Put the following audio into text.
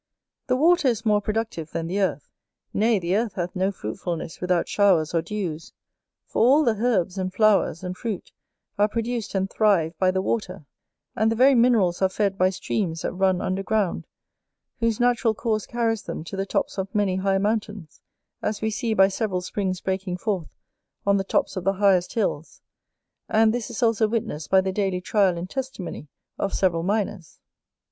The water is more productive than the earth. Nay, the earth hath no fruitfulness without showers or dews; for all the herbs, and flowers, and fruit, are produced and thrive by the water; and the very minerals are fed by streams that run under ground, whose natural course carries them to the tops of many high mountains, as we see by several springs breaking forth on the tops of the highest hills; and this is also witnessed by the daily trial and testimony of several miners.